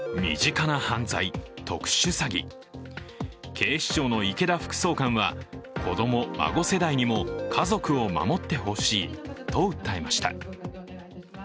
警視庁の池田副総監は子供・孫世代にも家族を守ってほしいと訴えました。